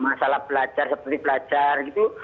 masalah belajar seperti belajar gitu